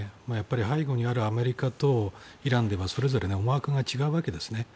背後にあるアメリカとイランではそれぞれ思惑が違うわけですよね。